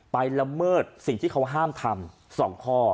ละเมิดสิ่งที่เขาห้ามทำ๒ข้อ